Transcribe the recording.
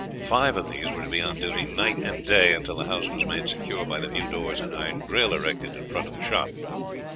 Five of these were to be on duty night and day until the house was made secure by the new doors and iron grill erected in front of the shop.